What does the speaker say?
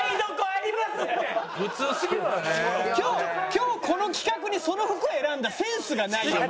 今日この企画にその服選んだセンスがないよお前。